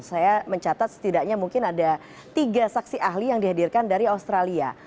saya mencatat setidaknya mungkin ada tiga saksi ahli yang dihadirkan dari australia